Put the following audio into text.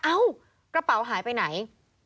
เอ้ากระเป๋าหายไปไหน